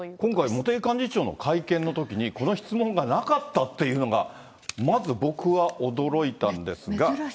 今回、茂木幹事長の会見のときに、この質問がなかったっていうのが、まず、僕は驚いたんですが。